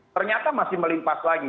ternyata masih melimpas lagi